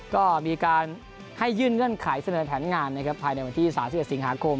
ก็มีการให้ยื่นเงื่อนไขเสนอแผนงานนะครับภายในวันที่๓๑สิงหาคม